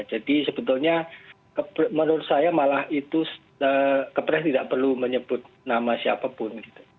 jadi sebetulnya menurut saya malah itu kepres tidak perlu menyebut nama siapapun